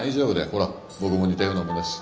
ほら僕も似たようなもんだし。